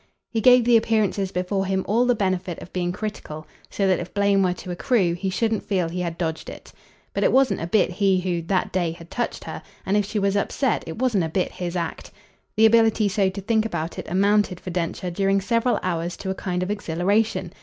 He gave the appearances before him all the benefit of being critical, so that if blame were to accrue he shouldn't feel he had dodged it. But it wasn't a bit he who, that day, had touched her, and if she was upset it wasn't a bit his act. The ability so to think about it amounted for Densher during several hours to a kind of exhilaration.